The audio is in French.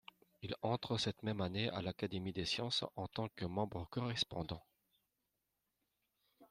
Il entre cette même année à l'Académie des sciences en tant que membre correspondant.